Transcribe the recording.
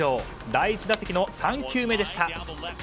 第１打席の３球目でした。